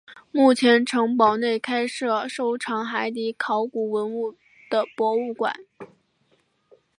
目前城堡内开设收藏海底考古文物的博物馆。